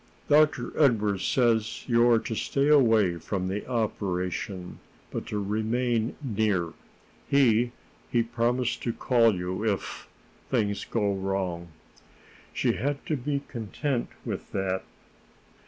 "Dr. Edwardes says you are to stay away from the operation, but to remain near. He he promises to call you if things go wrong." She had to be content with that.